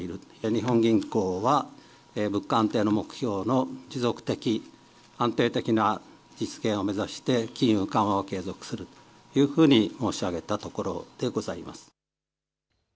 日本銀行は物価安定の目標の持続的、安定的な実現を目指して金融緩和を継続するというふうに申し上げたところでございます。